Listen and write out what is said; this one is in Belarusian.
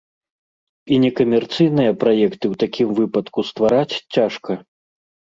І некамерцыйныя праекты ў такім выпадку ствараць цяжка.